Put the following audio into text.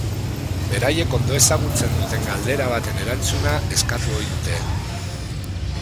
Beraiek ondo ezagutzen duten galdera baten erantzuna eskatu ohi dute.